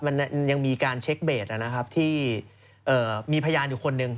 มันยังมีการเช็คเบสนะครับที่มีพยานอยู่คนหนึ่ง